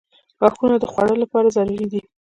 • غاښونه د خوړلو لپاره ضروري دي.